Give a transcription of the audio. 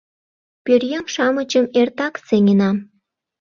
Пӧръеҥ-шамычым эртак сеҥенам.